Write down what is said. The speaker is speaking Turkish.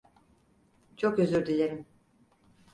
Çok özür dilerim.